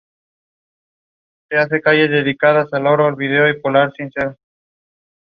Su ladrido es profundo, similar al de un perro más grande.